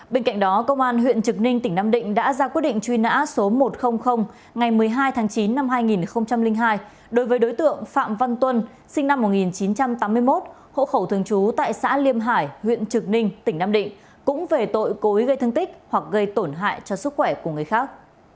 bên cạnh đó công an huyện trực ninh tỉnh nam định đã ra quyết định truy nã số một trăm linh ngày một mươi hai tháng chín năm hai nghìn hai đối với đối tượng phạm văn tuân sinh năm một nghìn chín trăm tám mươi một hộ khẩu thường trú tại xã liêm hải huyện trực ninh tỉnh nam định cũng về tội cối gây thương tích hoặc gây tổn hại cho sức khỏe của người khác